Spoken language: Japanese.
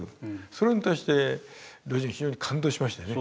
それに対して魯迅は非常に感動しましてね。